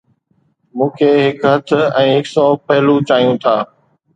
مون کي هڪ هٿ ۽ هڪ سؤ پهلو چاهيون ٿا